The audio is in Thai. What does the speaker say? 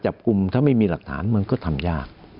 สวัสดีครับ